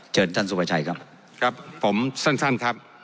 เชิญท่านสุภาชัยครับครับผมสั้นครับ